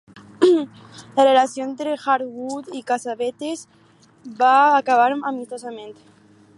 La relació entre Harwood i Cassavetes va acabar amistosament.